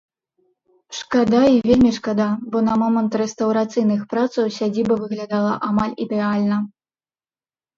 Шкада і вельмі шкада, бо на момант рэстаўрацыйных працаў сядзіба выглядала амаль ідэальна.